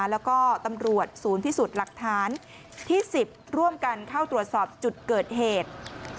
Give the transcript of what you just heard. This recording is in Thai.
แล้วก็ตำรวจศูนย์พิสูจน์หลักฐานที่๑๐ร่วมกันเข้าตรวจสอบจุดเกิดเหตุ